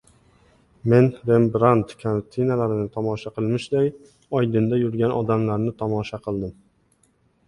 Men Rembrandt kartinalarini tomosha qilmishday “Oydinda yurgan odamlar”ni tomosha qildim.